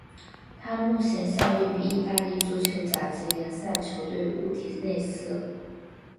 他目前效力于意大利足球甲级联赛球队乌迪内斯。